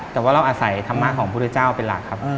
แต่ว่าเราอาศัยธรรมะของพุทธเจ้าเป็นหลักครับ